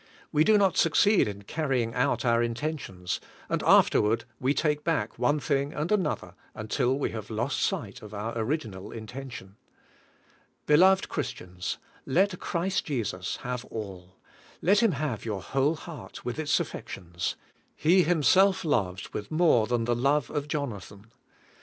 We do not succeed in carrying out our intentions, and afterward we take back one thing and another until we have lost sight of our original intention. Beloved Christians, let Christ Jesus have all. Let Him have your whole heart, with its affections; He Himself loves, with more than the love of Jonathan.